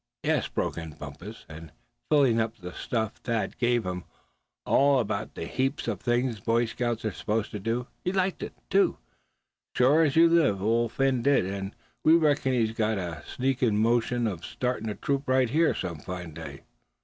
"Yes," broke in Bumpus, "and filling up on the stuff Thad gave him, all about the heaps of things Boy Scouts are supposed to do. He liked it, too, sure as you live, Old Phin did; and we reckon he's got a sneakin' notion of startin' a troop right here, some fine day."